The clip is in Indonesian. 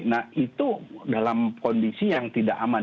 nah itu dalam kondisi yang tidak aman